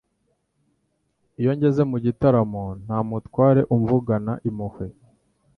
Iyo ngeze mu gitaramo nta mutware umvugana impuhwe